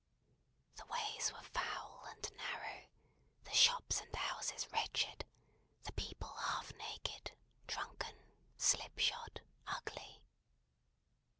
The ways were foul and narrow; the shops and houses wretched; the people half naked, drunken, slipshod, ugly.